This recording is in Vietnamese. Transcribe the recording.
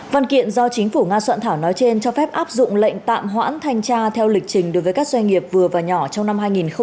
văn kiện do chính phủ nga soạn thảo nói trên cho phép áp dụng lệnh tạm hoãn thanh tra theo lịch trình đối với các doanh nghiệp vừa và nhỏ trong năm hai nghìn một mươi chín